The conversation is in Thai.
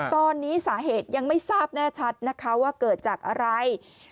ตอนนี้สาเหตุยังไม่ทราบแน่ชัดนะคะว่าเกิดจากอะไร